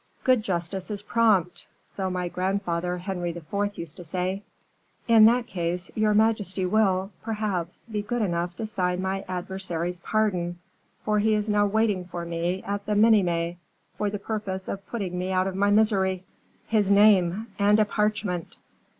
"'Good justice is prompt;' so my grandfather Henry IV. used to say." "In that case, your majesty will, perhaps, be good enough to sign my adversary's pardon, for he is now waiting for me at the Minimes, for the purpose of putting me out of my misery." "His name, and a parchment!"